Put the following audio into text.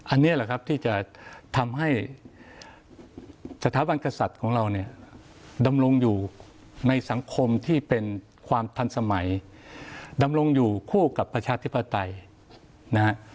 อันนี้แหละครับที่จะทำให้สถาบันกษัตริย์ของเราเนี่ยดำรงอยู่ในสังคมที่เป็นความทันสมัยดำรงอยู่คู่กับประชาธิปไตยนะฮะ